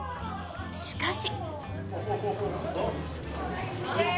しかし。